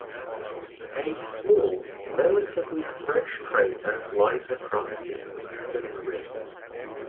A small, relatively fresh crater lies across the eastern rim.